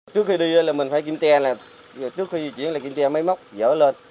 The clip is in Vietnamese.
trước khi đi là mình phải kiểm tra trước khi di chuyển là kiểm tra máy móc dỡ lên